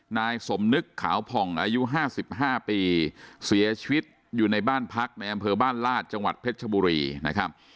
นายสมนึกขาวผ่องอายุ๕๕ปีเสียชีวิตอยู่ในบ้านพักในอำเภอบ้านลาดจังหวัดเพชรชบุรีนะครับ